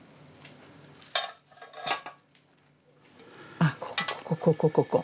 あっここここここ。